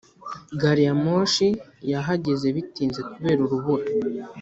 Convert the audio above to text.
gari ya moshi yahageze bitinze kubera urubura